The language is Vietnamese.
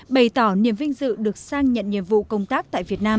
bày tỏ niềm vinh dự được sang nhận nhiệm vụ công tác tại việt nam